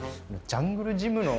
ジャングルジムの。